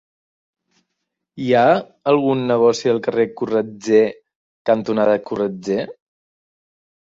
Hi ha algun negoci al carrer Corretger cantonada Corretger?